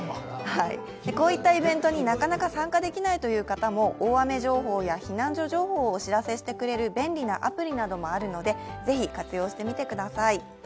こういったイベントになかなか参加できないという方も、大雨情報や避難所情報をお知らせしてくれる便利なアプリなどもあるので、ぜひ活用してみてください。